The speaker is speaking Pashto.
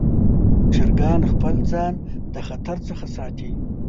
چرګان خپل ځان د خطر څخه ساتي.